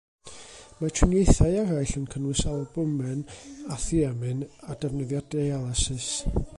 Mae triniaethau eraill yn cynnwys albwmen a thiamin, a defnyddio dialysis.